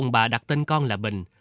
ông bà đặt tên con là bình